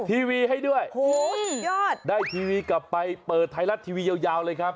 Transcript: ทีวีให้ด้วยโอ้โหสุดยอดได้ทีวีกลับไปเปิดไทยรัฐทีวียาวเลยครับ